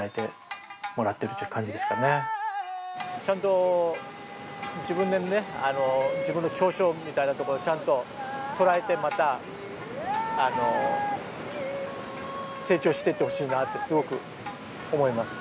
ちゃんと自分でね自分の長所みたいなところちゃんと捉えてまたあの成長してってほしいなってすごく思います。